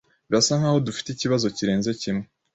Birasa nkaho dufite ikibazo kirenze kimwe.